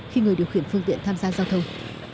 khi người điều khiển phương tiện tham gia giao thông